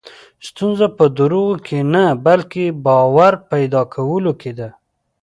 ستونزه په دروغو کې نه، بلکې باور پیدا کولو کې ده.